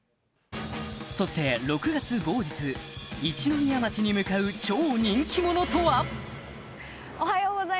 そして一宮町に向かう超人気者とは？